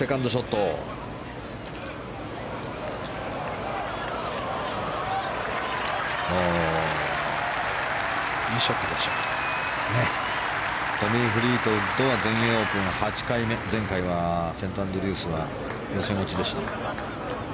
トミー・フリートウッドは全英オープン８回目前回はセントアンドリュースは予選落ちでした。